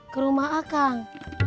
ke rumah a kang